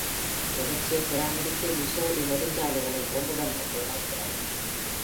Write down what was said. தொடர்ச்சியைப் பராமரிக்க மிசோரி நெடுஞ்சாலைகளை ஒன்றுடன் ஒன்று இணைக்கிறது.